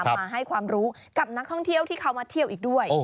มาให้ความรู้กับนักท่องเที่ยวที่เขามาเที่ยวอีกด้วย